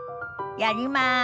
やります。